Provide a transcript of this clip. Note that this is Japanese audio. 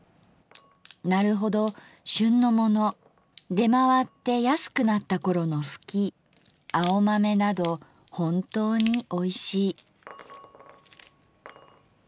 なるほど『しゅん』のもの出回って安くなったころの『ふき』『青豆』などほんとうにおいしい」。